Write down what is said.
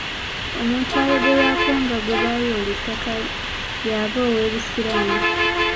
Omuntu ayogerwako nga gwe baayoola ettaka y'aba ow'ebisiraani